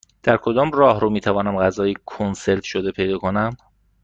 در کدام راهرو می توانم غذای کنسرو شده پیدا کنم؟